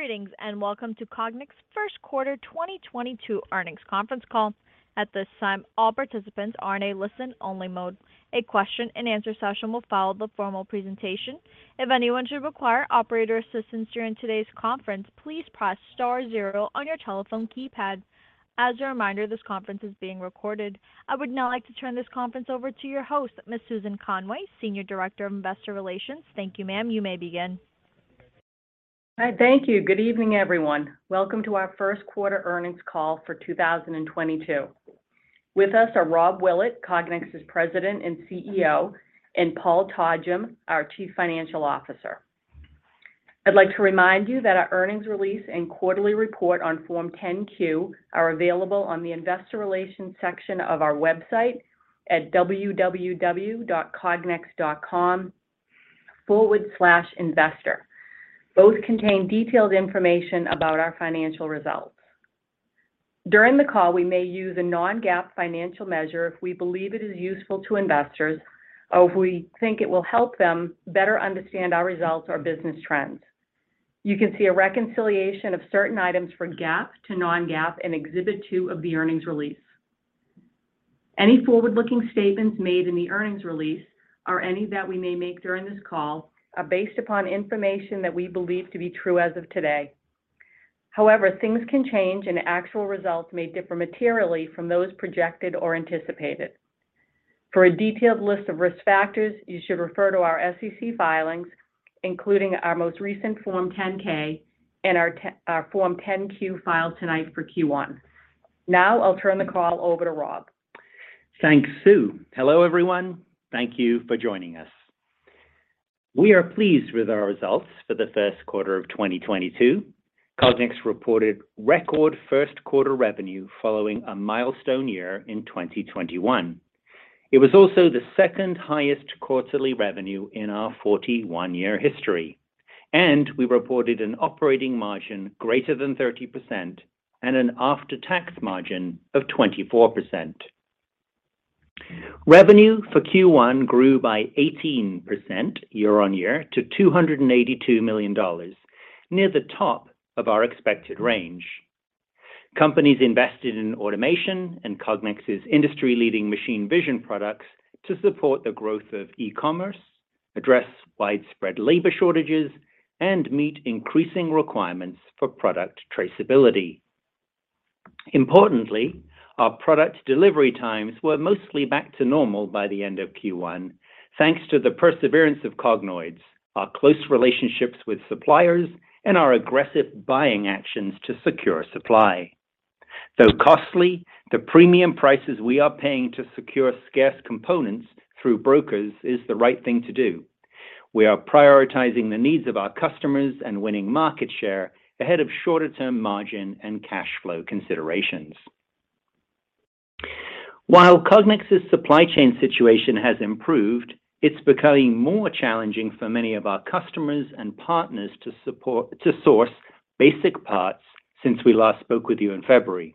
Greetings, and welcome to Cognex first quarter 2022 earnings conference call. At this time, all participants are in a listen-only mode. A question-and-answer session will follow the formal presentation. If anyone should require operator assistance during today's conference, please press star zero on your telephone keypad. As a reminder, this conference is being recorded. I would now like to turn this conference over to your host, Ms. Susan Conway, Senior Director of Investor Relations. Thank you, ma'am. You may begin. All right, thank you. Good evening, everyone. Welcome to our first quarter earnings call for 2022. With us are Rob Willett, Cognex's President and CEO, and Paul Todgham, our Chief Financial Officer. I'd like to remind you that our earnings release and quarterly report on Form 10-Q are available on the investor relations section of our website at www.cognex.com/investor. Both contain detailed information about our financial results. During the call, we may use a non-GAAP financial measure if we believe it is useful to investors or if we think it will help them better understand our results or business trends. You can see a reconciliation of certain items from GAAP to non-GAAP in Exhibit 2 of the earnings release. Any forward-looking statements made in the earnings release or any that we may make during this call are based upon information that we believe to be true as of today. However, things can change and actual results may differ materially from those projected or anticipated. For a detailed list of risk factors, you should refer to our SEC filings, including our most recent Form 10-K and our Form 10-Q filed tonight for Q1. Now I'll turn the call over to Rob. Thanks, Sue. Hello, everyone. Thank you for joining us. We are pleased with our results for the first quarter of 2022. Cognex reported record first quarter revenue following a milestone year in 2021. It was also the second highest quarterly revenue in our 41-year history, and we reported an operating margin greater than 30% and an after-tax margin of 24%. Revenue for Q1 grew by 18% year-on-year to $282 million, near the top of our expected range. Companies invested in automation and Cognex's industry-leading machine vision products to support the growth of e-commerce, address widespread labor shortages, and meet increasing requirements for product traceability. Importantly, our product delivery times were mostly back to normal by the end of Q1, thanks to the perseverance of Cognoids, our close relationships with suppliers, and our aggressive buying actions to secure supply. Though costly, the premium prices we are paying to secure scarce components through brokers is the right thing to do. We are prioritizing the needs of our customers and winning market share ahead of shorter term margin and cash flow considerations. While Cognex's supply chain situation has improved, it's becoming more challenging for many of our customers and partners to source basic parts since we last spoke with you in February.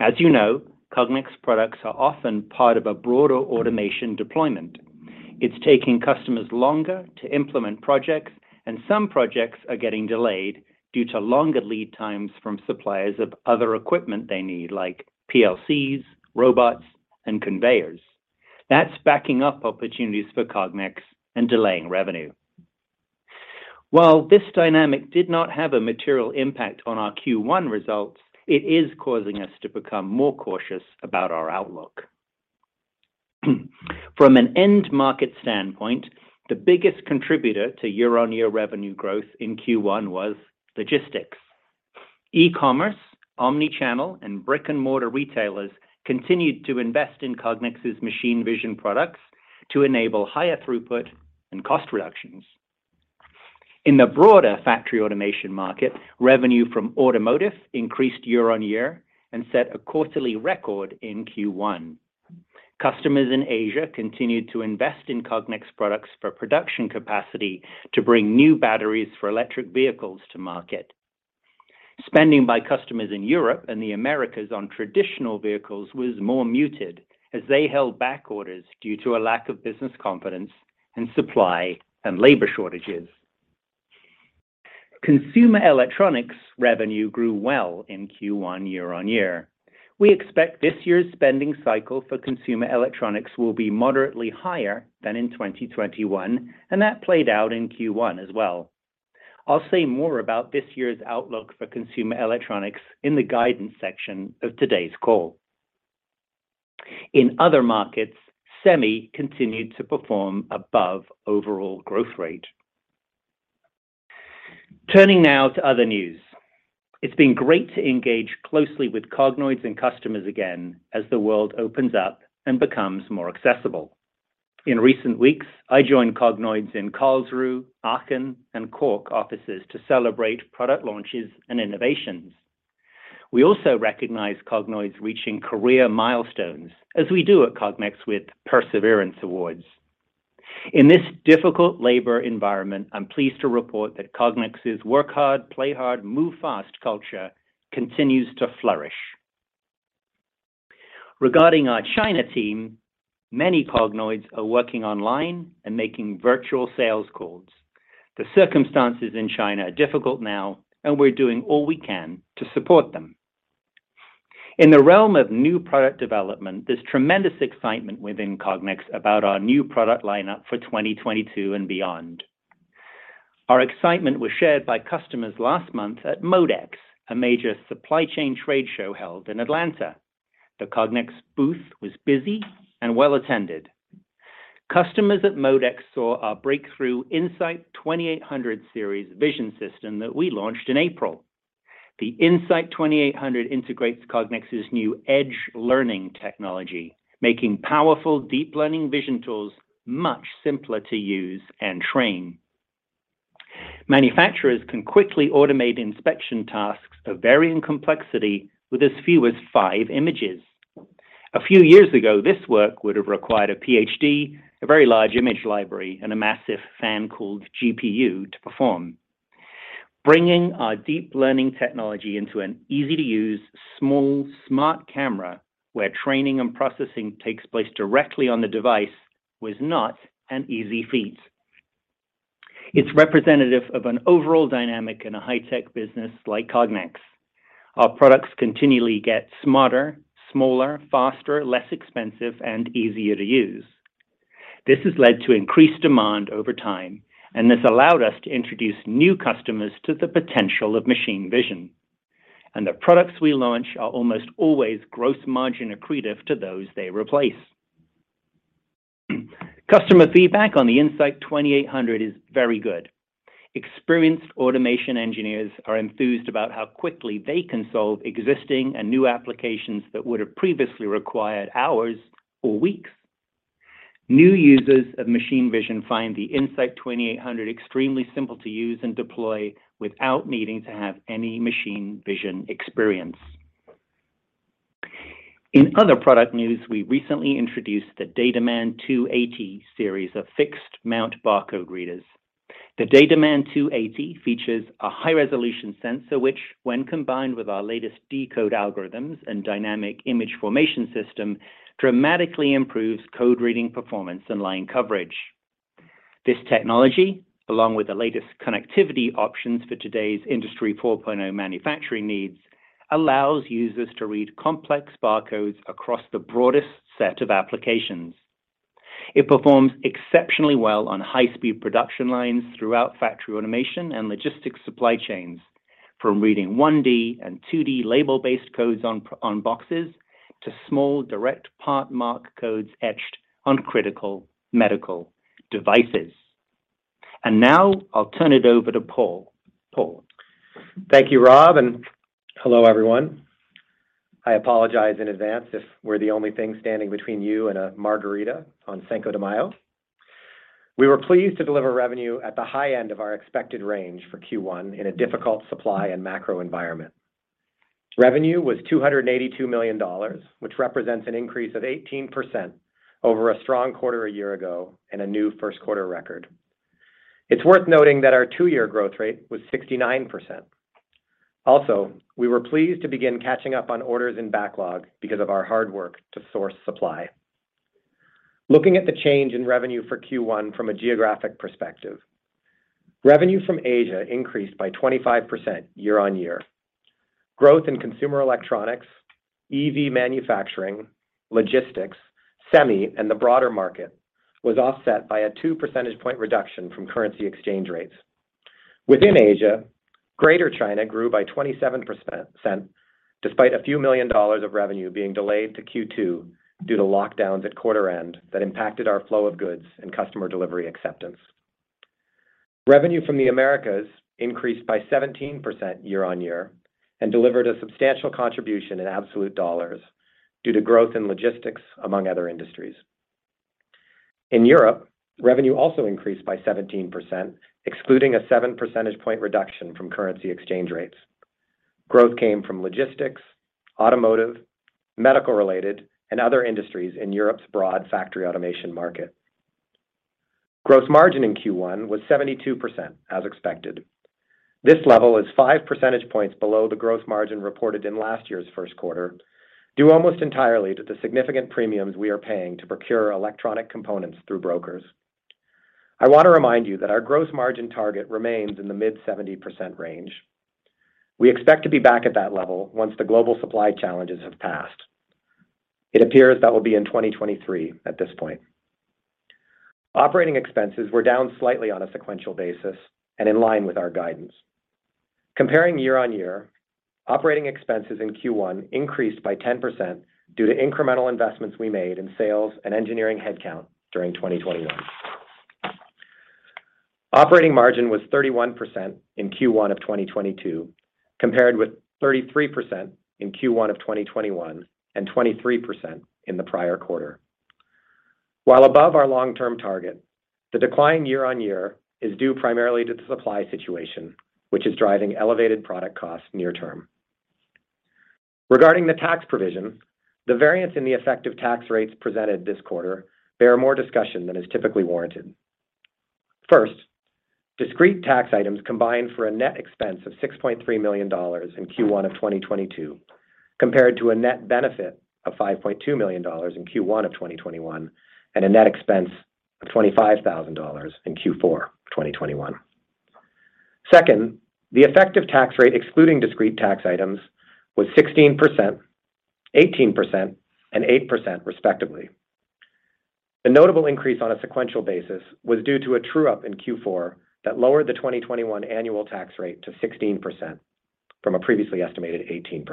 As you know, Cognex products are often part of a broader automation deployment. It's taking customers longer to implement projects, and some projects are getting delayed due to longer lead times from suppliers of other equipment they need, like PLCs, robots, and conveyors. That's backing up opportunities for Cognex and delaying revenue. While this dynamic did not have a material impact on our Q1 results, it is causing us to become more cautious about our outlook. From an end market standpoint, the biggest contributor to year-on-year revenue growth in Q1 was Logistics, e-commerce, omnichannel, and brick-and-mortar retailers continued to invest in Cognex's machine vision products to enable higher throughput and cost reductions. In the broader factory automation market, revenue from Automotive increased year-on-year and set a quarterly record in Q1. Customers in Asia continued to invest in Cognex products for production capacity to bring new batteries for electric vehicles to market. Spending by customers in Europe and the Americas on traditional vehicles was more muted as they held back orders due to a lack of business confidence and supply and labor shortages. Consumer Electronics revenue grew well in Q1 year on year. We expect this year's spending cycle for Consumer Electronics will be moderately higher than in 2021, and that played out in Q1 as well. I'll say more about this year's outlook for Consumer Electronics in the guidance section of today's call. In other markets, semis continued to perform above overall growth rate. Turning now to other news. It's been great to engage closely with Cognoids and customers again as the world opens up and becomes more accessible. In recent weeks, I joined Cognoids in Karlsruhe, Aachen, and Cork offices to celebrate product launches and innovations. We also recognize Cognoids reaching career milestones, as we do at Cognex with Perseverance Awards. In this difficult labor environment, I'm pleased to report that Cognex's work hard, play hard, move fast culture continues to flourish. Regarding our China team, many Cognoids are working online and making virtual sales calls. The circumstances in China are difficult now, and we're doing all we can to support them. In the realm of new product development, there's tremendous excitement within Cognex about our new product lineup for 2022 and beyond. Our excitement was shared by customers last month at MODEX, a major supply chain trade show held in Atlanta. The Cognex booth was busy and well attended. Customers at MODEX saw our breakthrough In-Sight 2800 series vision system that we launched in April. The In-Sight 2800 integrates Cognex's new Edge Learning technology, making powerful deep learning vision tools much simpler to use and train. Manufacturers can quickly automate inspection tasks of varying complexity with as few as five images. A few years ago, this work would have required a Ph.D., a very large image library, and a massive fan-cooled GPU to perform. Bringing our deep learning technology into an easy-to-use, small, smart camera where training and processing takes place directly on the device was not an easy feat. It's representative of an overall dynamic in a high-tech business like Cognex. Our products continually get smarter, smaller, faster, less expensive, and easier to use. This has led to increased demand over time, and this allowed us to introduce new customers to the potential of machine vision. The products we launch are almost always gross margin accretive to those they replace. Customer feedback on the In-Sight 2800 is very good. Experienced automation engineers are enthused about how quickly they can solve existing and new applications that would have previously required hours or weeks. New users of machine vision find the In-Sight 2800 extremely simple to use and deploy without needing to have any machine vision experience. In other product news, we recently introduced the DataMan 280 series of fixed-mount barcode readers. The DataMan 280 features a high resolution sensor which, when combined with our latest decode algorithms and dynamic image formation system, dramatically improves code reading performance and line coverage. This technology, along with the latest connectivity options for today's Industry 4.0 manufacturing needs, allows users to read complex barcodes across the broadest set of applications. It performs exceptionally well on high-speed production lines throughout factory automation and Logistics supply chains, from reading 1-D and 2-D label-based codes on boxes to small direct part mark codes etched on critical medical devices. Now I'll turn it over to Paul. Paul. Thank you, Rob, and hello, everyone. I apologize in advance if we're the only thing standing between you and a margarita on Cinco de Mayo. We were pleased to deliver revenue at the high end of our expected range for Q1 in a difficult supply and macro environment. Revenue was $282 million, which represents an increase of 18% over a strong quarter a year ago and a new first quarter record. It's worth noting that our two-year growth rate was 69%. Also, we were pleased to begin catching up on orders and backlog because of our hard work to source supply. Looking at the change in revenue for Q1 from a geographic perspective, revenue from Asia increased by 25% year-on-year. Growth in Consumer Electronics, EV manufacturing, Logistics, semi, and the broader market was offset by a 2 percentage point reduction from currency exchange rates. Within Asia, Greater China grew by 27% despite a few million dollars of revenue being delayed to Q2 due to lockdowns at quarter end that impacted our flow of goods and customer delivery acceptance. Revenue from the Americas increased by 17% year-on-year and delivered a substantial contribution in absolute dollars due to growth in Logistics, among other industries. In Europe, revenue also increased by 17%, excluding a 7 percentage point reduction from currency exchange rates. Growth came from Logistics, Automotive, medical-related, and other industries in Europe's broad factory automation market. Gross margin in Q1 was 72%, as expected. This level is 5 percentage points below the gross margin reported in last year's first quarter, due almost entirely to the significant premiums we are paying to procure electronic components through brokers. I want to remind you that our gross margin target remains in the mid-70% range. We expect to be back at that level once the global supply challenges have passed. It appears that will be in 2023 at this point. Operating expenses were down slightly on a sequential basis and in line with our guidance. Comparing year-on-year, operating expenses in Q1 increased by 10% due to incremental investments we made in sales and engineering headcount during 2021. Operating margin was 31% in Q1 of 2022, compared with 33% in Q1 of 2021 and 23% in the prior quarter. While above our long-term target, the decline year-on-year is due primarily to the supply situation, which is driving elevated product costs near term. Regarding the tax provision, the variance in the effective tax rates presented this quarter bears more discussion than is typically warranted. First, discrete tax items combined for a net expense of $6.3 million in Q1 of 2022, compared to a net benefit of $5.2 million in Q1 of 2021, and a net expense of $25,000 in Q4 of 2021. Second, the effective tax rate excluding discrete tax items was 16%, 18%, and 8% respectively. The notable increase on a sequential basis was due to a true-up in Q4 that lowered the 2021 annual tax rate to 16% from a previously estimated 18%.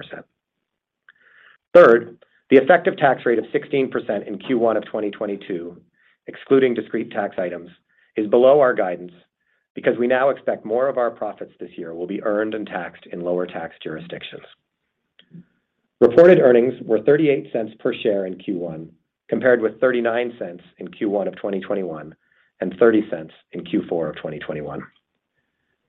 Third, the effective tax rate of 16% in Q1 of 2022, excluding discrete tax items, is below our guidance because we now expect more of our profits this year will be earned and taxed in lower tax jurisdictions. Reported earnings were $0.38 per share in Q1, compared with $0.39 in Q1 of 2021, and $0.30 in Q4 of 2021.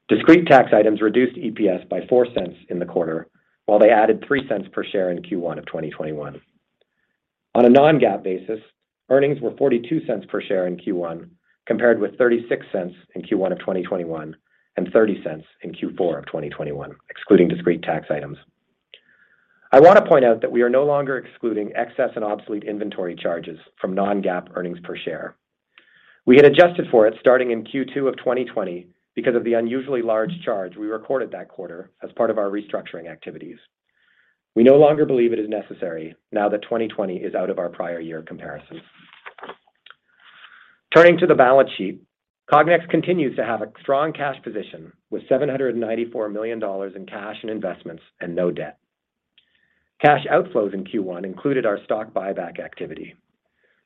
Discrete tax items reduced EPS by $0.04 in the quarter, while they added $0.03 per share in Q1 of 2021. On a non-GAAP basis, earnings were $0.42 per share in Q1, compared with $0.36 in Q1 of 2021, and $0.30 in Q4 of 2021, excluding discrete tax items. I want to point out that we are no longer excluding excess and obsolete inventory charges from non-GAAP earnings per share. We had adjusted for it starting in Q2 of 2020 because of the unusually large charge we recorded that quarter as part of our restructuring activities. We no longer believe it is necessary now that 2020 is out of our prior year comparisons. Turning to the balance sheet, Cognex continues to have a strong cash position with $794 million in cash and investments and no debt. Cash outflows in Q1 included our stock buyback activity.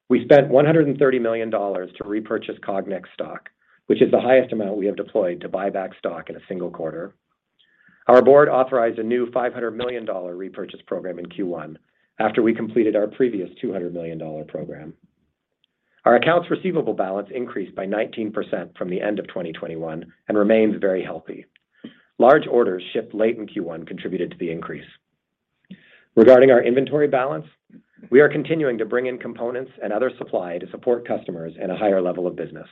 We spent $130 million to repurchase Cognex stock, which is the highest amount we have deployed to buy back stock in a single quarter. Our board authorized a new $500 million repurchase program in Q1 after we completed our previous $200 million program. Our accounts receivable balance increased by 19% from the end of 2021 and remains very healthy. Large orders shipped late in Q1 contributed to the increase. Regarding our inventory balance, we are continuing to bring in components and other supply to support customers at a higher level of business,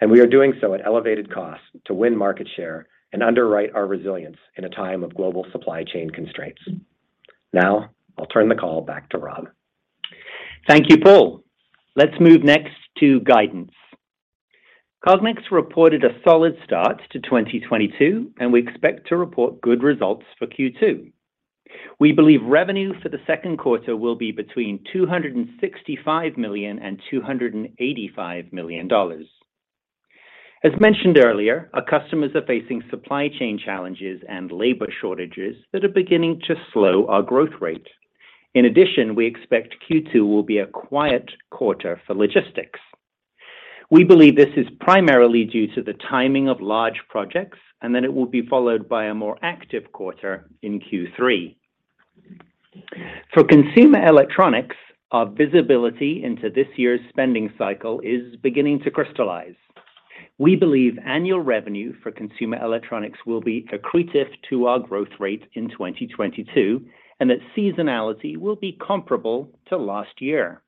and we are doing so at elevated costs to win market share and underwrite our resilience in a time of global supply chain constraints. Now, I'll turn the call back to Rob. Thank you, Paul. Let's move next to guidance. Cognex reported a solid start to 2022, and we expect to report good results for Q2. We believe revenue for the second quarter will be between $265 million and $285 million. As mentioned earlier, our customers are facing supply chain challenges and labor shortages that are beginning to slow our growth rate. In addition, we expect Q2 will be a quiet quarter for Logistics. We believe this is primarily due to the timing of large projects, and that it will be followed by a more active quarter in Q3. For Consumer Electronics, our visibility into this year's spending cycle is beginning to crystallize. We believe annual revenue for Consumer Electronics will be accretive to our growth rate in 2022, and that seasonality will be comparable to last year.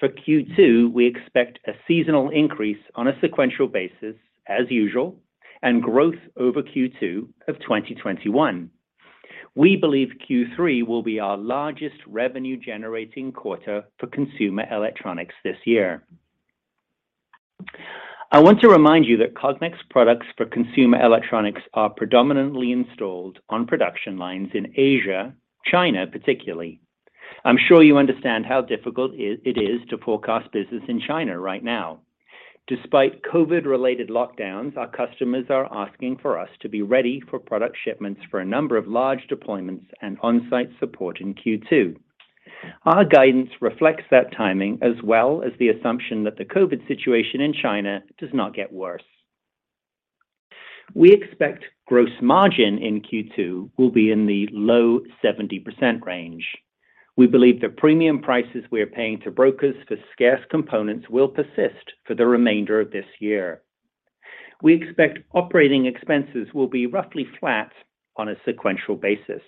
For Q2, we expect a seasonal increase on a sequential basis as usual, and growth over Q2 of 2021. We believe Q3 will be our largest revenue-generating quarter for Consumer Electronics this year. I want to remind you that Cognex products for Consumer Electronics are predominantly installed on production lines in Asia, particularly China. I'm sure you understand how difficult it is to forecast business in China right now. Despite COVID-related lockdowns, our customers are asking us to be ready for product shipments for a number of large deployments and on-site support in Q2. Our guidance reflects that timing, as well as the assumption that the COVID situation in China does not get worse. We expect gross margin in Q2 will be in the low 70% range. We believe the premium prices we are paying to brokers for scarce components will persist for the remainder of this year. We expect operating expenses will be roughly flat on a sequential basis.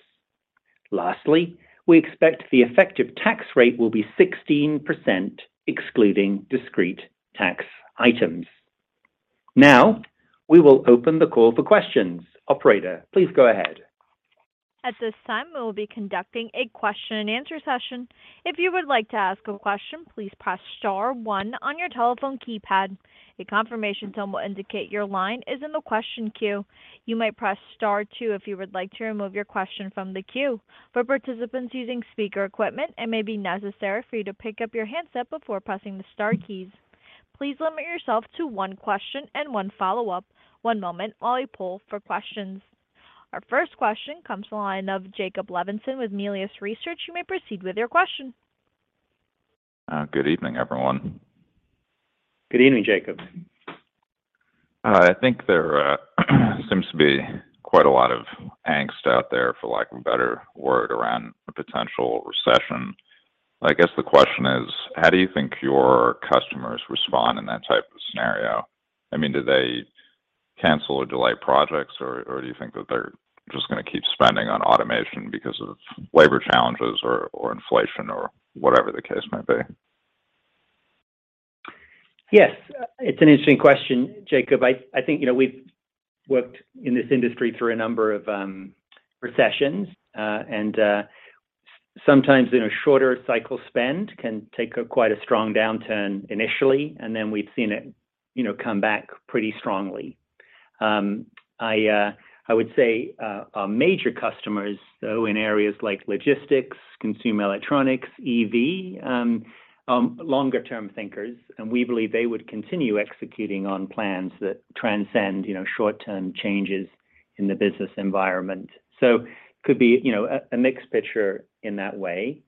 Lastly, we expect the effective tax rate will be 16% excluding discrete tax items. Now, we will open the call for questions. Operator, please go ahead. At this time, we will be conducting a question-and-answer session. If you would like to ask a question, please press star one on your telephone keypad. A confirmation tone will indicate your line is in the question queue. You may press star two if you would like to remove your question from the queue. For participants using speaker equipment, it may be necessary for you to pick up your handset before pressing the star keys. Please limit yourself to one question and one follow-up. One moment while we poll for questions. Our first question comes from the line of Jake Levinson with Melius Research. You may proceed with your question. Good evening everyone. Good evening, Jake. I think there seems to be quite a lot of angst out there, for lack of a better word, around a potential recession. I guess the question is, how do you think your customers respond in that type of scenario? I mean, do they Cancel or delay projects, or do you think that they're just gonna keep spending on automation because of labor challenges or inflation, or whatever the case may be? Yes. It's an interesting question, Jake. I think, you know, we've worked in this industry through a number of recessions, and sometimes in a shorter cycle spend can take quite a strong downturn initially, and then we've seen it, you know, come back pretty strongly. I would say our major customers, though, in areas like Logistics, Consumer Electronics, EV, longer term thinkers, and we believe they would continue executing on plans that transcend, you know, short-term changes in the business environment. Could be, you know, a mixed picture in that way.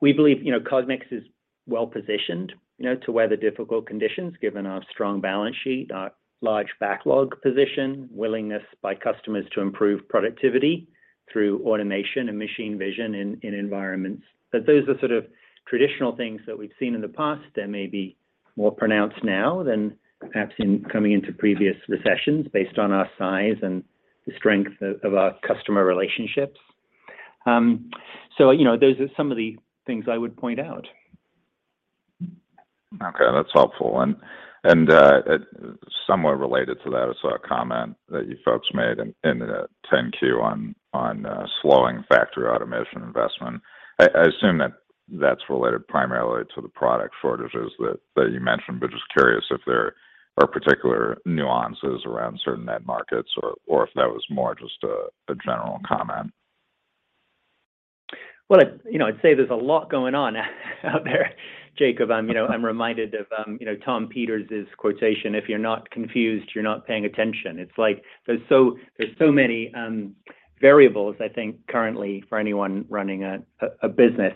We believe, you know, Cognex is well-positioned, you know, to weather difficult conditions given our strong balance sheet, our large backlog position, willingness by customers to improve productivity through automation and machine vision in environments. Those are sort of traditional things that we've seen in the past that may be more pronounced now than perhaps in coming into previous recessions based on our size and the strength of our customer relationships. You know, those are some of the things I would point out. Okay. That's helpful. Somewhere related to that, I saw a comment that you folks made in the Form 10-Q on slowing factory automation investment. I assume that that's related primarily to the product shortages that you mentioned, but just curious if there are particular nuances around certain end markets or if that was more just a general comment. Well, you know, I'd say there's a lot going on out there, Jake. I'm, you know, I'm reminded of, you know, Tom Peters's quotation, "If you're not confused, you're not paying attention." It's like there's so many variables, I think, currently for anyone running a business.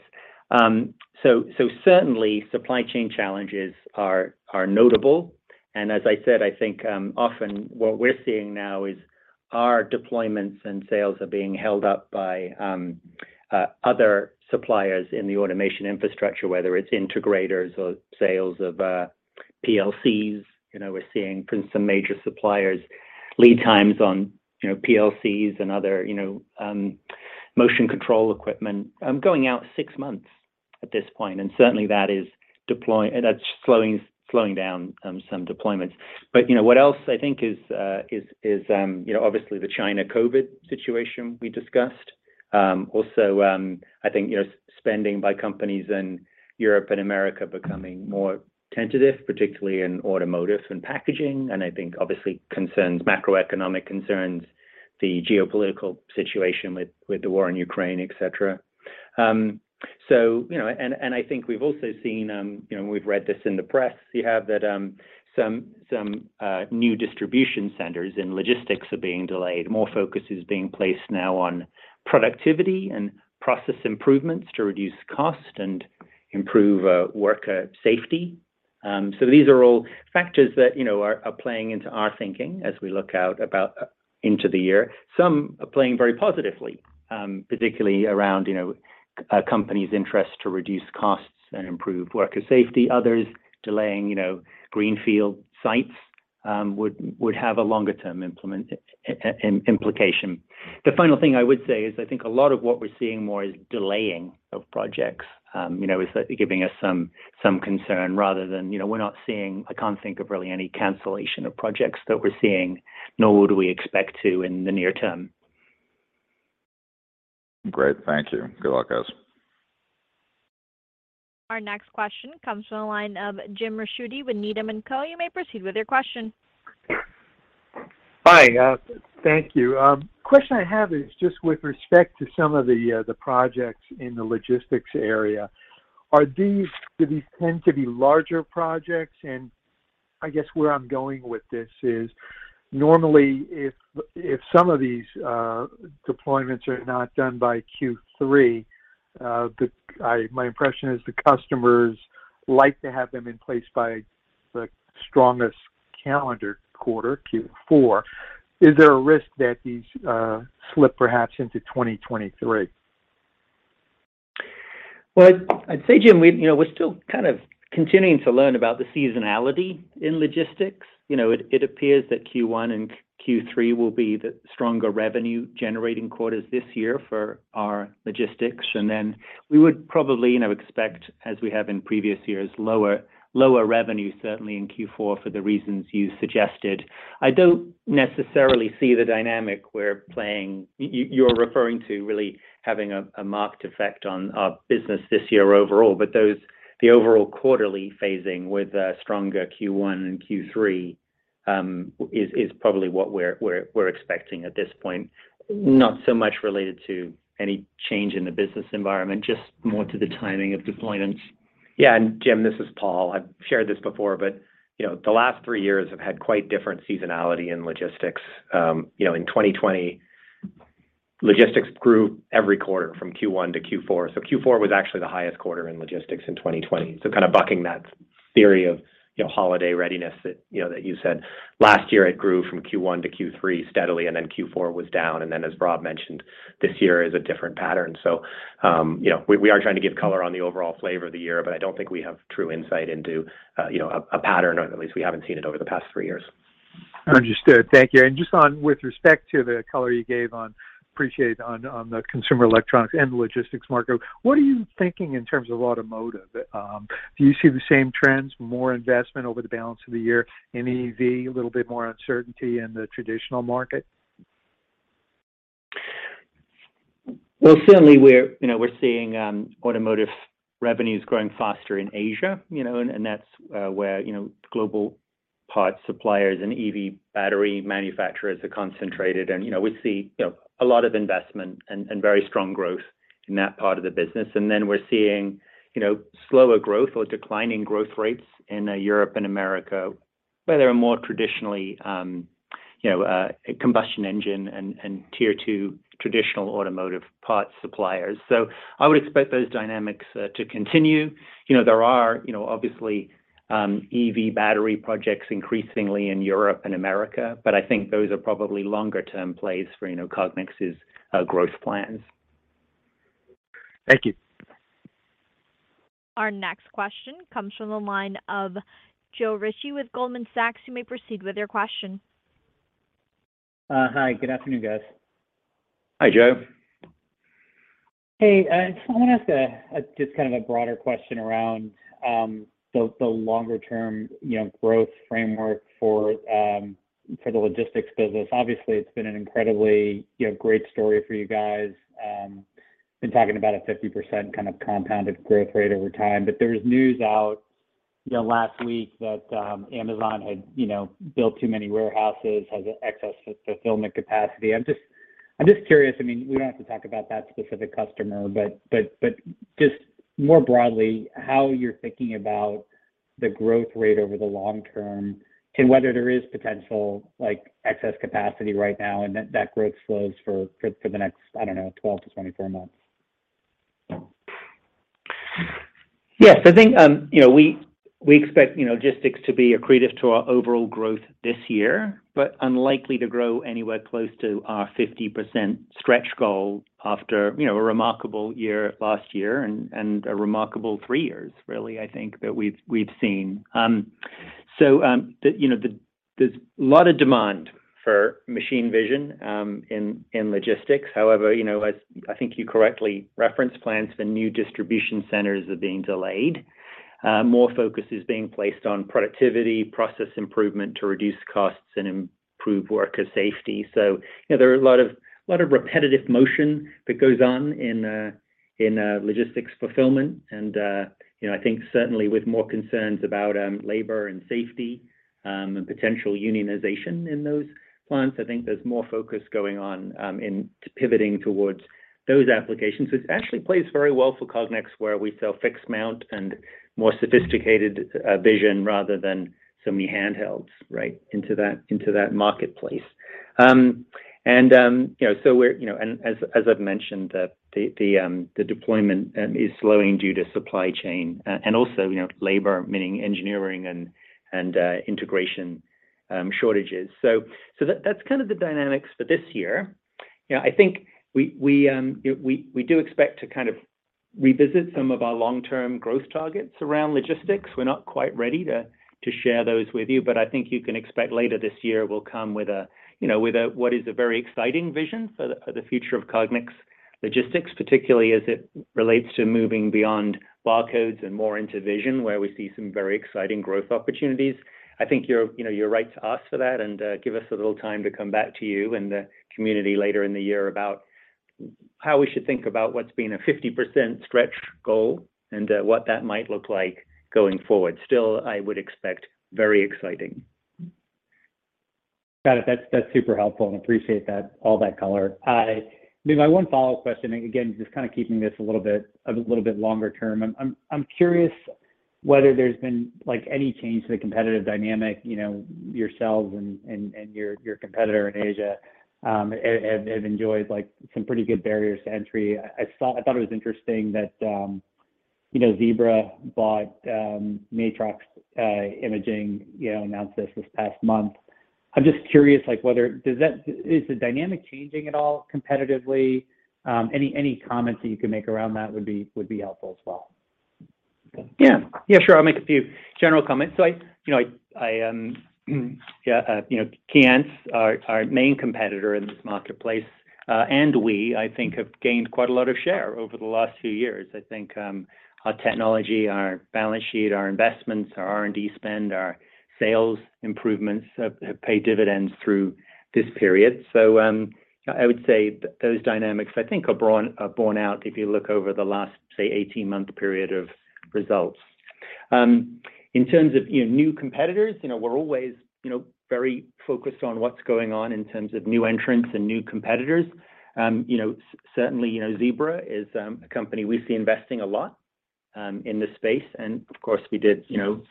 Certainly supply chain challenges are notable. As I said, I think, often what we're seeing now is our deployments and sales are being held up by other suppliers in the automation infrastructure, whether it's integrators or sales of PLCs. You know, we're seeing from some major suppliers lead times on, you know, PLCs and other, you know, motion control equipment going out six months at this point. Certainly that is slowing down some deployments. You know, what else I think is, you know, obviously the China COVID situation we discussed. Also, I think, you know, spending by companies in Europe and America becoming more tentative, particularly in Automotive and packaging, and I think obviously concerns, macroeconomic concerns, the geopolitical situation with the war in Ukraine, et cetera. You know, I think we've also seen, you know, we've read this in the press, you have that, some new distribution centers and Logistics are being delayed. More focus is being placed now on productivity and process improvements to reduce cost and improve worker safety. These are all factors that, you know, are playing into our thinking as we look out about into the year. Some are playing very positively, particularly around, you know, a company's interest to reduce costs and improve worker safety. Others delaying greenfield sites would have a longer term implication. The final thing I would say is I think a lot of what we're seeing more is delaying of projects, you know, is giving us some concern rather than, you know, I can't think of really any cancellation of projects that we're seeing, nor would we expect to in the near term. Great. Thank you. Good luck, guys. Our next question comes from the line of Jim Ricchiuti with Needham & Company. You may proceed with your question. Hi. Thank you. Question I have is just with respect to some of the projects in the Logistics area. Do these tend to be larger projects? I guess where I'm going with this is normally if some of these deployments are not done by Q3, my impression is the customers like to have them in place by the strongest calendar quarter, Q4. Is there a risk that these slip perhaps into 2023? Well, I'd say, Jim, we, you know, we're still kind of continuing to learn about the seasonality in Logistics. You know, it appears that Q1 and Q3 will be the stronger revenue generating quarters this year for our Logistics. Then we would probably, you know, expect, as we have in previous years, lower revenue, certainly in Q4 for the reasons you suggested. I don't necessarily see the dynamic you're referring to really having a marked effect on our business this year overall. That's the overall quarterly phasing with stronger Q1 and Q3 is probably what we're expecting at this point, not so much related to any change in the business environment, just more to the timing of deployments. Yeah. Jim, this is Paul. I've shared this before, but, you know, the last three years have had quite different seasonality in Logistics. You know, in 2020, Logistics grew every quarter from Q1 to Q4. Q4 was actually the highest quarter in Logistics in 2020. Kind of bucking that theory of, you know, holiday readiness that, you know, that you said. Last year, it grew from Q1 to Q3 steadily, and then Q4 was down. As Rob mentioned, this year is a different pattern. You know, we are trying to give color on the overall flavor of the year, but I don't think we have true insight into a pattern, or at least we haven't seen it over the past three years. Understood. Thank you. Just on with respect to the color you gave on Consumer Electronics and the Logistics market, what are you thinking in terms of Automotive? Do you see the same trends, more investment over the balance of the year in EV, a little bit more uncertainty in the traditional market? Well, certainly we're seeing Automotive revenues growing faster in Asia, you know, and that's where global parts suppliers and EV battery manufacturers are concentrated. You know, we see a lot of investment and very strong growth in that part of the business. We're seeing slower growth or declining growth rates in Europe and America, where there are more traditionally combustion engine and tier two traditional Automotive parts suppliers. I would expect those dynamics to continue. You know, there are obviously EV battery projects increasingly in Europe and America, but I think those are probably longer term plays for Cognex's growth plans. Thank you. Our next question comes from the line of Joe Ritchie with Goldman Sachs. You may proceed with your question. Hi, good afternoon, guys. Hi, Joe. Hey, I just wanna ask just kind of a broader question around the longer term, you know, growth framework for the Logistics business. Obviously, it's been an incredibly, you know, great story for you guys. Been talking about a 50% kind of compounded growth rate over time. There was news out, you know, last week that Amazon had built too many warehouses, has excess fulfillment capacity. I'm just curious, I mean, we don't have to talk about that specific customer, but just more broadly, how you're thinking about the growth rate over the long term and whether there is potential like excess capacity right now and that growth slows for the next, I don't know, 12-24 months. Yes. I think, you know, we expect Logistics to be accretive to our overall growth this year, but unlikely to grow anywhere close to our 50% stretch goal after, you know, a remarkable year last year and a remarkable three years really, I think that we've seen. There's a lot of demand for machine vision in Logistics. However, you know, as I think you correctly reference plans for new distribution centers are being delayed. More focus is being placed on productivity, process improvement to reduce costs and improve worker safety. You know, there are a lot of repetitive motion that goes on in Logistics fulfillment. You know, I think certainly with more concerns about labor and safety and potential unionization in those plants, I think there's more focus going on in pivoting towards those applications. Which actually plays very well for Cognex where we sell fixed mount and more sophisticated vision rather than so many handhelds right into that marketplace. You know, we're and as I've mentioned, the deployment is slowing due to supply chain and also you know, labor, meaning engineering and integration shortages. That's kind of the dynamics for this year. I think we do expect to kind of revisit some of our long-term growth targets around Logistics. We're not quite ready to share those with you, but I think you can expect later this year we'll come with you know with a what is a very exciting vision for the future of Cognex Logistics, particularly as it relates to moving beyond barcodes and more into vision, where we see some very exciting growth opportunities. I think you know you're right to ask for that and give us a little time to come back to you and the community later in the year about how we should think about what's been a 50% stretch goal and what that might look like going forward. Still, I would expect very exciting. Got it. That's super helpful and appreciate that, all that color. Maybe my one follow-up question, again, just kind of keeping this a little bit longer term. I'm curious whether there's been like any change to the competitive dynamic, you know, yourselves and your competitor in Asia have enjoyed like some pretty good barriers to entry. I thought it was interesting that, you know, Zebra bought Matrox Imaging, you know, announced this past month. I'm just curious, like whether is the dynamic changing at all competitively. Any comments that you could make around that would be helpful as well. Yeah. Yeah, sure. I'll make a few general comments. Keyence, our main competitor in this marketplace, and we, I think, have gained quite a lot of share over the last few years. I think, our technology, our balance sheet, our investments, our R&D spend, our sales improvements have paid dividends through this period. I would say those dynamics, I think, are borne out if you look over the last, say, 18-month period of results. In terms of, you know, new competitors we're always very focused on what's going on in terms of new entrants and new competitors. Certainly Zebra is a company we see investing a lot in this space. Of course we did, you know,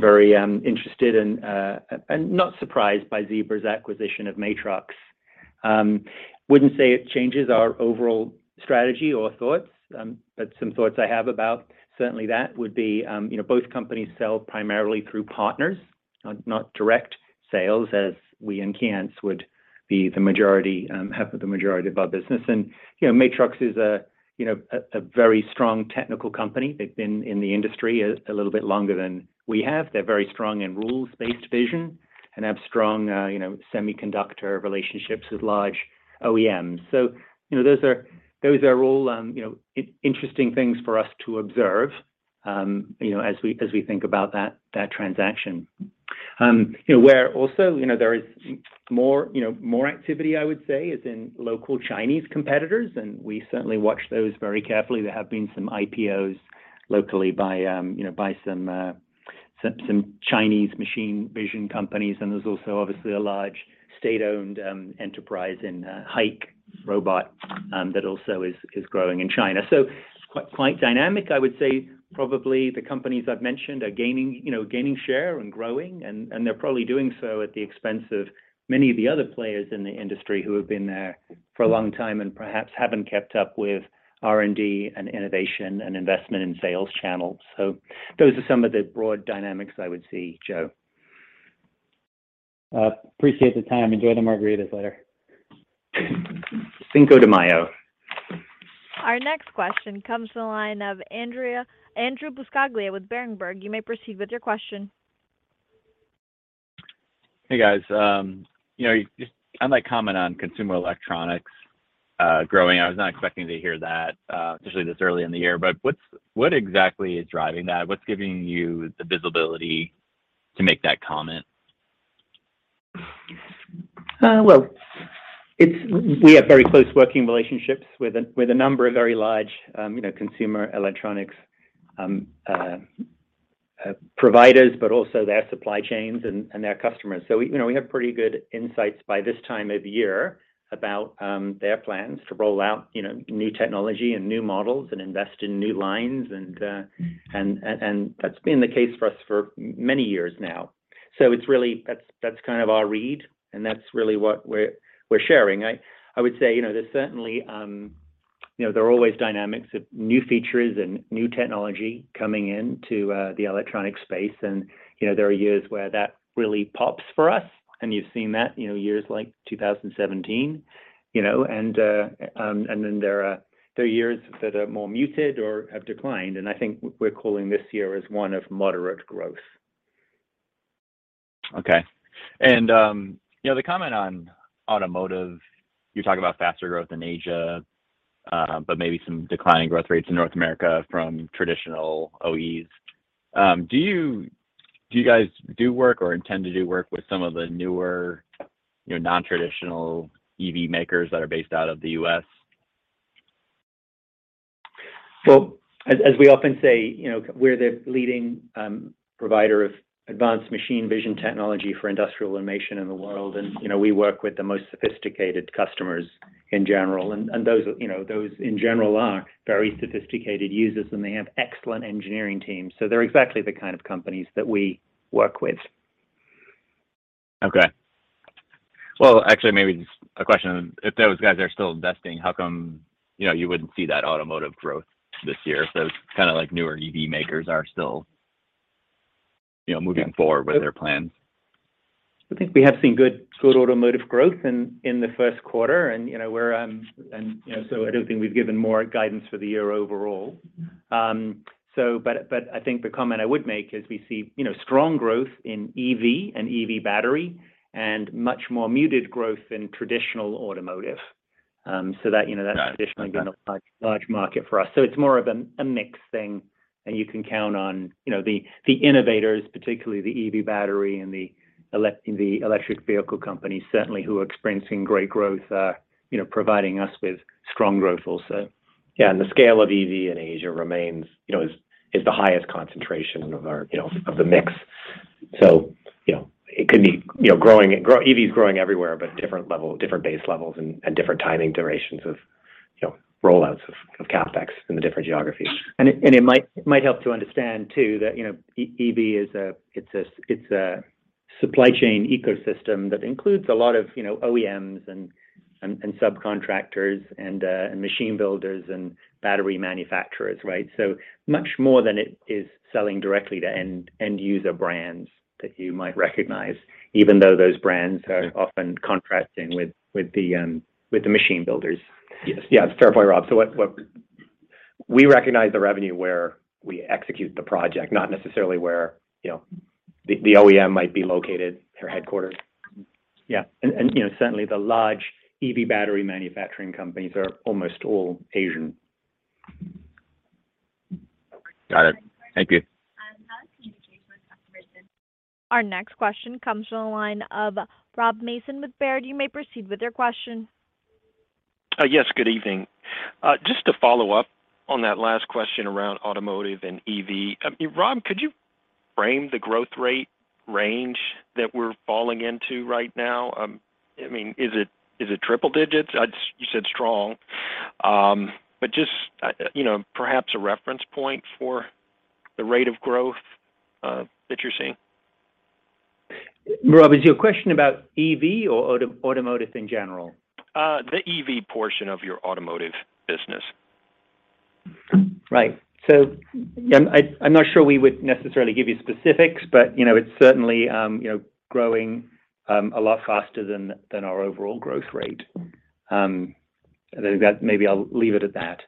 very interested and not surprised by Zebra's acquisition of Matrox. Wouldn't say it changes our overall strategy or thoughts, but some thoughts I have about certainly that would be, you know, both companies sell primarily through partners. Not direct sales as we and Keyence have the majority of our business. You know, Matrox is a very strong technical company. They've been in the industry a little bit longer than we have. They're very strong in rules-based vision and have strong, you know, semiconductor relationships with large OEMs. You know, those are all interesting things for us to observe as we think about that transaction. You know, where also there is more activity, I would say, is in local Chinese competitors, and we certainly watch those very carefully. There have been some IPOs locally by some Chinese machine vision companies, and there's also obviously a large state-owned enterprise in Hikrobot that also is growing in China. It's quite dynamic. I would say probably the companies I've mentioned are gaining share and growing, and they're probably doing so at the expense of many of the other players in the industry who have been there for a long time and perhaps haven't kept up with R&D and innovation and investment in sales channels. Those are some of the broad dynamics I would see, Joe. Appreciate the time. Enjoy the margaritas later. Cinco de Mayo. Our next question comes from the line of Andrew Buscaglia with Berenberg. You may proceed with your question. Hey, guys. You know, I'd like comment on Consumer Electronics growing. I was not expecting to hear that, especially this early in the year. What's exactly driving that? What's giving you the visibility to make that comment? Well, we have very close working relationships with a number of very large, you know, Consumer Electronics providers, but also their supply chains and their customers. We have pretty good insights by this time of year about their plans to roll out, you know, new technology and new models and invest in new lines and that's been the case for us for many years now. That's kind of our read, and that's really what we're sharing. I would say, there's certainly, you know, there are always dynamics of new features and new technology coming into the electronic space and, you know, there are years where that really pops for us, and you've seen that, you know, years like 2017, you know. There are years that are more muted or have declined, and I think we're calling this year as one of moderate growth. You know, the comment on Automotive, you're talking about faster growth in Asia, but maybe some declining growth rates in North America from traditional OEMs. Do you guys do work or intend to do work with some of the newer, you know, non-traditional EV makers that are based out of the US? Well, as we often say we're the leading provider of advanced machine vision technology for industrial automation in the world, and you know, we work with the most sophisticated customers in general. Those are, you know, in general, very sophisticated users, and they have excellent engineering teams. They're exactly the kind of companies that we work with. Okay. Well, actually maybe just a question. If those guys are still investing, how come, you know, you wouldn't see that Automotive growth this year? Kind of like newer EV makers are still, you know, moving forward with their plans. I think we have seen good Automotive growth in the first quarter, and I don't think we've given more guidance for the year overall. I think the comment I would make is we see strong growth in EV and EV battery and much more muted growth in traditional Automotive. That traditionally been a large market for us. It's more of a mix thing, and you can count on, you know, the innovators, particularly the EV battery and the electric vehicle companies certainly who are experiencing great growth are providing us with strong growth also. Yeah, the scale of EV in Asia remains is the highest concentration of our of the mix. You know, it could be growing, EV is growing everywhere, but different base levels and different timing durations of rollouts of CapEx in the different geographies. It might help to understand too that, you know, EV is a supply chain ecosystem that includes a lot of, you know, OEMs and subcontractors and machine builders and battery manufacturers, right? So much more than it is selling directly to end user brands that you might recognize, even though those brands are often contracting with the machine builders. Yes. Yeah. It's a fair point, Rob. We recognize the revenue where we execute the project, not necessarily where the OEM might be located, their headquarters. Yeah. You know, certainly the large EV battery manufacturing companies are almost all Asian. Got it. Thank you. Our next question comes from the line of Rob Mason with Baird. You may proceed with your question. Yes. Good evening. Just to follow up on that last question around Automotive and EV. Rob, could you frame the growth rate range that we're falling into right now? I mean, is it triple digits? You said strong. But just, you know, perhaps a reference point for the rate of growth that you're seeing. Rob, is your question about EV or Automotive in general? The EV portion of your Automotive business. Right. Yeah, I'm not sure we would necessarily give you specifics, but it's certainly growing a lot faster than our overall growth rate. Maybe I'll leave it at that.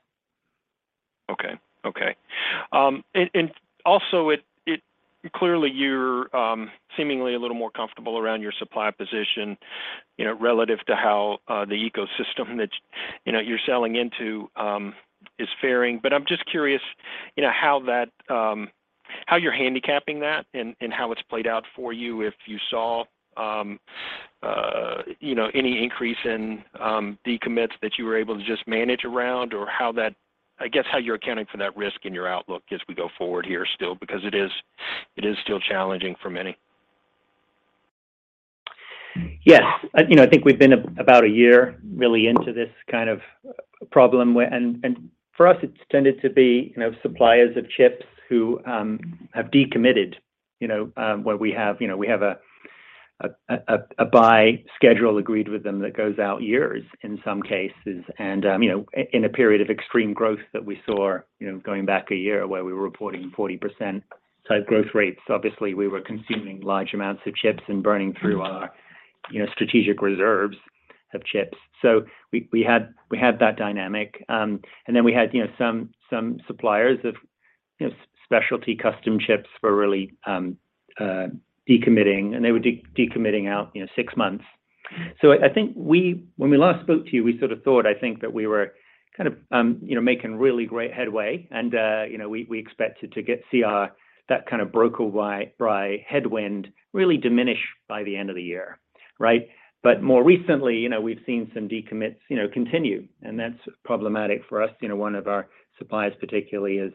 Clearly you're seemingly a little more comfortable around your supply position relative to how the ecosystem that you're selling into is faring. I'm just curious, you know, how you're handicapping that and how it's played out for you if you saw any increase in decommits that you were able to just manage around or how you're accounting for that risk in your outlook as we go forward here still, because it is still challenging for many. Yes. You know, I think we've been about a year really into this kind of problem. For us, it's tended to be, you know, suppliers of chips who have decommitted where we have a buy schedule agreed with them that goes out years in some cases. You know, in a period of extreme growth that we saw going back a year where we were reporting 40% type growth rates, obviously we were consuming large amounts of chips and burning through our, you know, strategic reserves of chips. We had that dynamic. Then we had some suppliers of specialty custom chips were really decommitting, and they were decommitting out, you know, six months. I think when we last spoke to you, we sort of thought that we were kind of making really great headway and we expected to see that kind of broader buy-side headwind really diminish by the end of the year, right? More recently, you know, we've seen some decommits continue, and that's problematic for us. One of our suppliers particularly has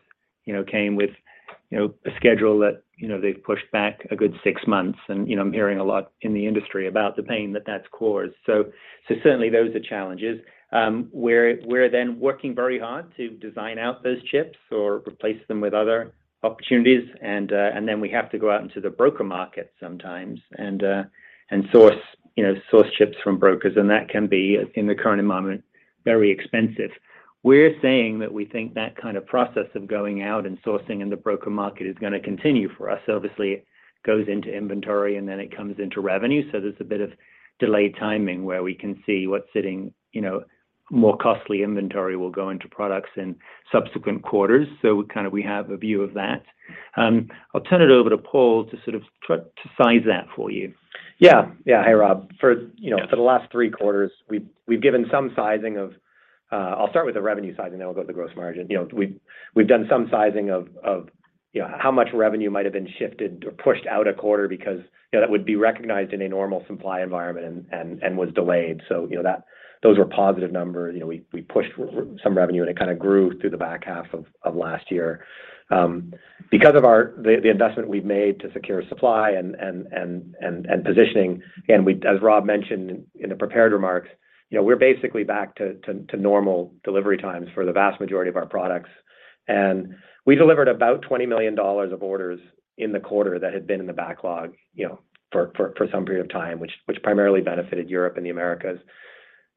came with a schedule that they've pushed back a good six months and I'm hearing a lot in the industry about the pain that that's caused. Certainly those are challenges. We're working very hard to design out those chips or replace them with other opportunities and then we have to go out into the broker market sometimes and source chips from brokers, and that can be in the current environment, very expensive. We're saying that we think that kind of process of going out and sourcing in the broker market is gonna continue for us. Obviously, it goes into inventory, and then it comes into revenue. There's a bit of delayed timing where we can see what's sitting, more costly inventory will go into products in subsequent quarters. We kind of have a view of that. I'll turn it over to Paul to sort of try to size that for you. Yeah. Hi, Rob. You know, for the last three quarters, we've given some sizing of. I'll start with the revenue side, and then we'll go to the gross margin. You know, we've done some sizing of how much revenue might have been shifted or pushed out a quarter because that would be recognized in a normal supply environment and was delayed. So, those were positive numbers. You know, we pushed some revenue, and it kind of grew through the back half of last year. Because of the investment we've made to secure supply and positioning, again, as Rob mentioned in the prepared remarks, you know, we're basically back to normal delivery times for the vast majority of our products. We delivered about $20 million of orders in the quarter that had been in the backlog, you know, for some period of time, which primarily benefited Europe and the Americas.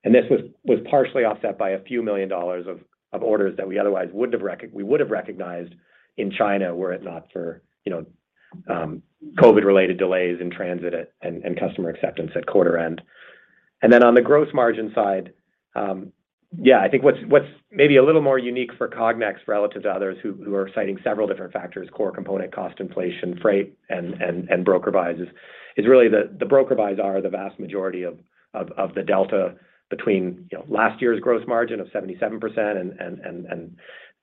This was partially offset by a few million dollars of orders that we otherwise wouldn't have recognized in China were it not for, you know, COVID-related delays in transit and customer acceptance at quarter end. On the gross margin side, I think what's maybe a little more unique for Cognex relative to others who are citing several different factors, core component cost inflation, freight, and broker buys is really the broker buys are the vast majority of the delta between last year's gross margin of 77%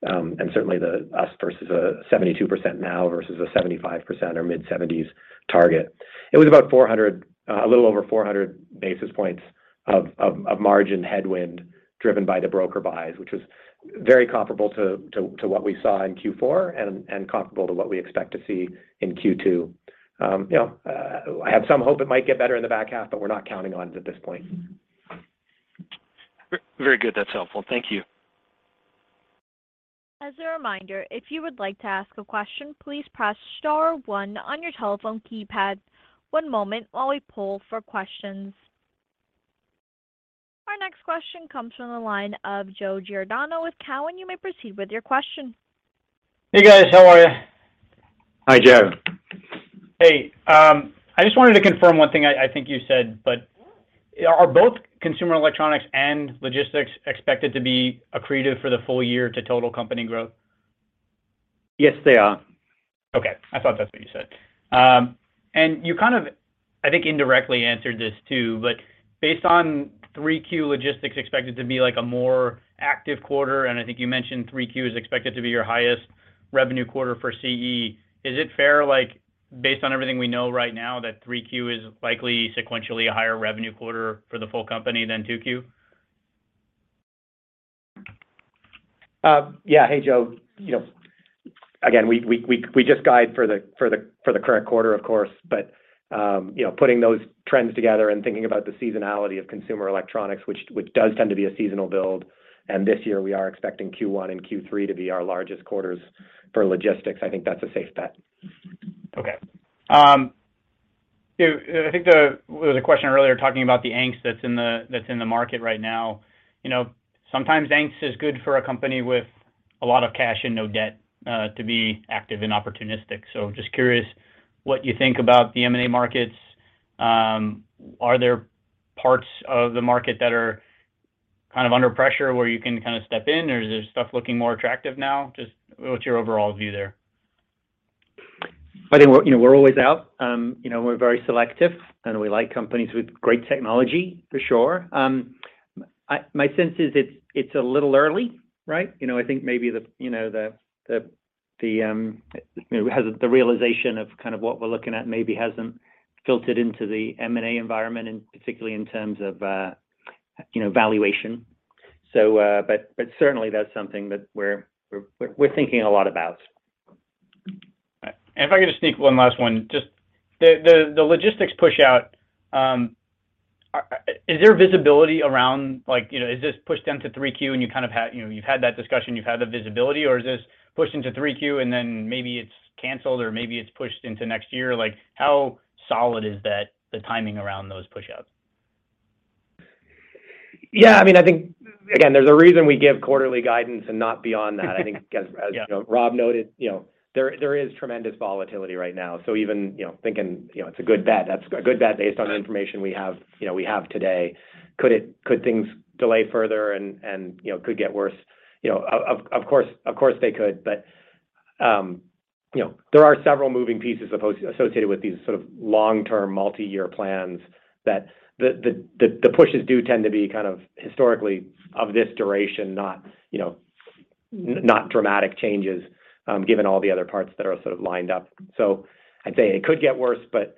and certainly the U.S. versus a 72% now versus a 75% or mid-seventies target. It was about 400, a little over 400 basis points of margin headwind driven by the broker buys, which was very comparable to what we saw in Q4 and comparable to what we expect to see in Q2. You know, I have some hope it might get better in the back half, but we're not counting on it at this point. Very good. That's helpful. Thank you. As a reminder, if you would like to ask a question, please press star one on your telephone keypad. One moment while we poll for questions. Our next question comes from the line of Joseph Giordano with Cowen. You may proceed with your question. Hey, guys. How are you? Hi, Joe. Hey. I just wanted to confirm one thing I think you said, but are both Consumer Electronics and Logistics expected to be accretive for the full year to total company growth? Yes, they are. Okay. I thought that's what you said. You kind of indirectly answered this too, but based on 3Q Logistics expected to be, like a more active quarter, and I think you mentioned 3Q is expected to be your highest revenue quarter for CE. Is it fair, like, based on everything we know right now that 3Q is likely sequentially a higher revenue quarter for the full company than 2Q? Hey, Joe. You know, we just guide for the current quarter, of course. You know, putting those trends together and thinking about the seasonality of Consumer Electronics, which does tend to be a seasonal build, and this year we are expecting Q1 and Q3 to be our largest quarters for Logistics, I think that's a safe bet. Okay. I think there was a question earlier talking about the angst that's in the market right now. You know, sometimes angst is good for a company with a lot of cash and no debt to be active and opportunistic. Just curious what you think about the M&A markets. Are there parts of the market that are kind of under pressure where you can kinda step in, or is there stuff looking more attractive now? Just what's your overall view there? I think we're always out. You know, we're very selective, and we like companies with great technology for sure. My sense is it's a little early, right? I think maybe the realization of kind of what we're looking at maybe hasn't filtered into the M&A environment, and particularly in terms of valuation. Certainly that's something that we're thinking a lot about. All right. If I could just sneak one last one. Just the Logistics push out, is there visibility around? Like, is this pushed into 3Q, and you kind of had that discussion, you've had the visibility? Or is this pushed into 3Q, and then maybe it's canceled or maybe it's pushed into next year? Like, how solid is that, the timing around those push outs? There's a reason we give quarterly guidance and not beyond that. Yeah. I think as Rob noted there is tremendous volatility right now. Even, you know, it's a good bet, that's a good bet based on the information we have today. Could things delay further and could get worse? You know, of course they could. You know, there are several moving pieces associated with these sort of long-term multi-year plans that the pushes do tend to be kind of historically of this duration not dramatic changes, given all the other parts that are sort of lined up. I'd say it could get worse, but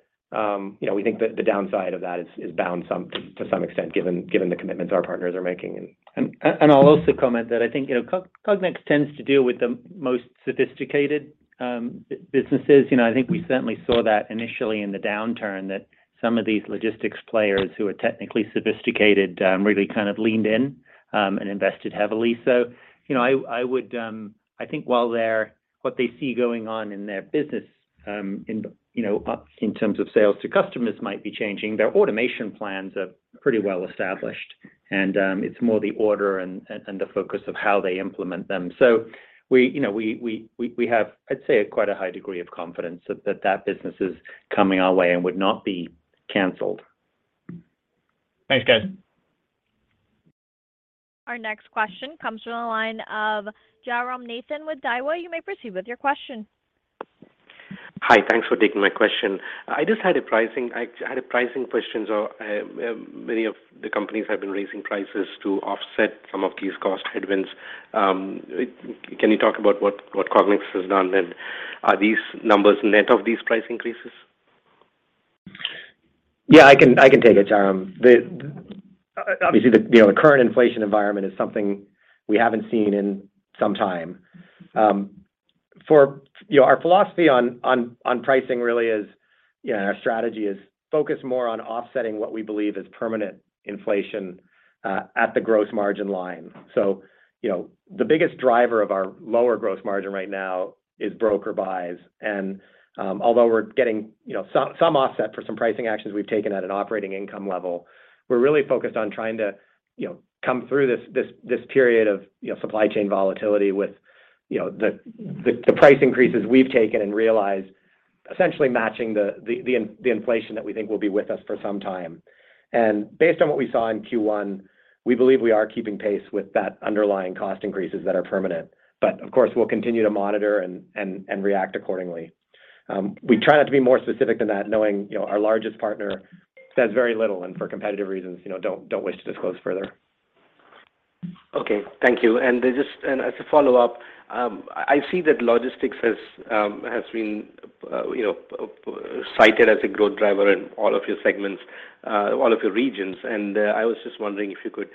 we think that the downside of that is bound to some extent given the commitments our partners are making and I'll also comment that I think, Cognex tends to deal with the most sophisticated businesses. I think we certainly saw that initially in the downturn that some of these Logistics players who are technically sophisticated really kind of leaned in and invested heavily. I think while what they see going on in their business, you know, up in terms of sales to customers might be changing, their automation plans are pretty well established. It's more the order and the focus of how they implement them. You know, we have, I'd say quite a high degree of confidence that that business is coming our way and would not be canceled. Thanks, guys. Our next question comes from the line of Jairam Nathan with Daiwa. You may proceed with your question. Hi. Thanks for taking my question. I had a pricing question. Many of the companies have been raising prices to offset some of these cost headwinds. Can you talk about what Cognex has done, and are these numbers net of these price increases? Yeah, I can take it, Jairam. Obviously, the current inflation environment is something we haven't seen in some time. Our philosophy on pricing really is, and our strategy is focused more on offsetting what we believe is permanent inflation at the gross margin line. The biggest driver of our lower gross margin right now is broker buys. Although we're getting some offset for some pricing actions we've taken at an operating income level, we're really focused on trying to come through this period of supply chain volatility with the price increases we've taken and realize essentially matching the inflation that we think will be with us for some time. Based on what we saw in Q1, we believe we are keeping pace with that underlying cost increases that are permanent. Of course, we'll continue to monitor and react accordingly. We try not to be more specific than that, knowing our largest partner says very little and for competitive reasons, you know, don't wish to disclose further. Okay, thank you. As a follow-up, I see that Logistics has been cited as a growth driver in all of your segments, all of your regions. I was just wondering if you could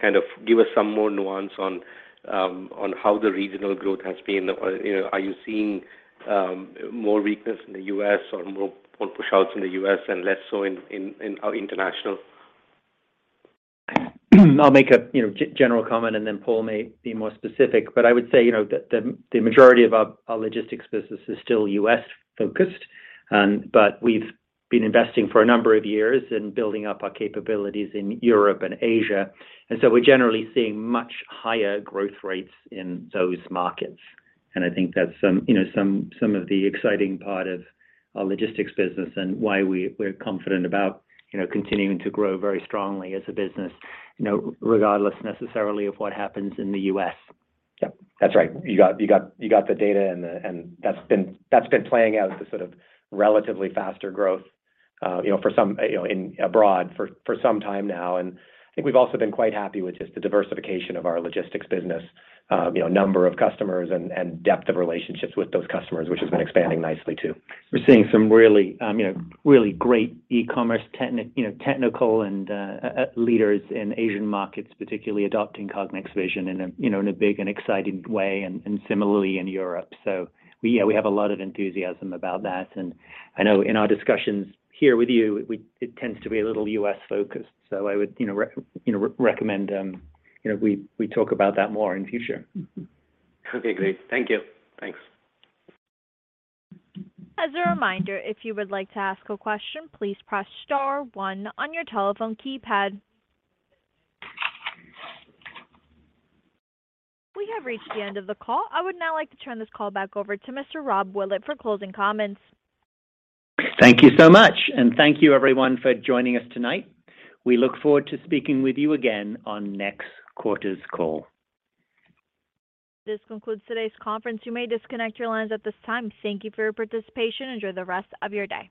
kind of give us some more nuance on how the regional growth has been. You know, are you seeing more weakness in the U.S. or more pushouts in the U.S. and less so in international? I'll make a, you know, general comment and then Paul may be more specific. I would say, you know, the majority of our Logistics business is still U.S.-focused. We've been investing for a number of years in building up our capabilities in Europe and Asia. We're generally seeing much higher growth rates in those markets. I think that's some of the exciting part of our Logistics business and why we're confident about, you know, continuing to grow very strongly as a business, you know, regardless necessarily of what happens in the U.S. Yeah, that's right. You got the data and that's been playing out as the sort of relatively faster growth, you know, abroad for some time now. I think we've also been quite happy with just the diversification of our Logistics business, you know, number of customers and depth of relationships with those customers, which has been expanding nicely too. We're seeing some really great e-commerce technical and leaders in Asian markets, particularly adopting Cognex vision in a big and exciting way, and similarly in Europe. We, yeah, we have a lot of enthusiasm about that. I know in our discussions here with you, it tends to be a little U.S.-focused. I would recommend we talk about that more in future. Okay, great. Thank you. Thanks. As a reminder, if you would like to ask a question, please press star one on your telephone keypad. We have reached the end of the call. I would now like to turn this call back over to Mr. Rob Willett for closing comments. Thank you so much, and thank you everyone for joining us tonight. We look forward to speaking with you again on next quarter's call. This concludes today's conference. You may disconnect your lines at this time. Thank you for your participation. Enjoy the rest of your day.